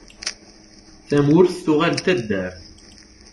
Tamurt tuɣal d taddart.